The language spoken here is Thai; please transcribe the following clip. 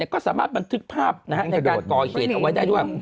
ก็สามารถบันทึกภาพในการก่อเหตุเอาไว้ได้ด้วย